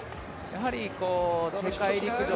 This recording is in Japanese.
やはり世界陸上